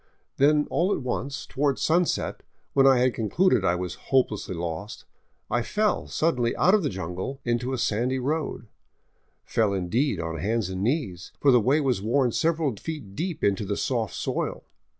Then all at once, toward sunset, when I had concluded I was hope lessly lost, I fell suddenly out of the jungle into a sandy road, fell in deed on hands and knees, for the way was worn several feet deep into the soft soil.